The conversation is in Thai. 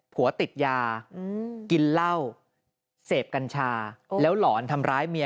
ผัวติดยากินเหล้าเสพกัญชาแล้วหลอนทำร้ายเมีย